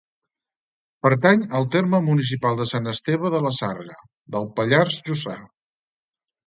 Pertany al terme municipal de Sant Esteve de la Sarga, del Pallars Jussà.